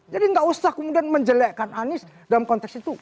jadi tidak usah kemudian menjelekkan anies dalam konteks itu